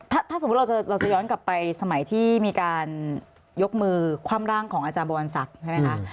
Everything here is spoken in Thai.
ถ้าสมมุติเราจะย้อนกลับไปสมัยที่มีการยกมือคว่ำร่างของอาจารย์บวรศักดิ์ใช่ไหมคะ